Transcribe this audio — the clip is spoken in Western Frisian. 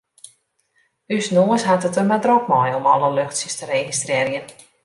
Us noas hat it der mar drok mei om alle luchtsjes te registrearjen.